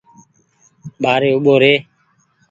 ٻآري اوٻو ري۔